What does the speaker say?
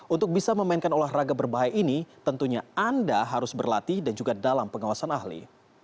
untuk bisa memainkan olahraga berbahaya ini tentunya anda harus berlatih dan juga dalam pengawasan ahli